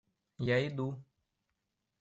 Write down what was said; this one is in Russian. Я иду.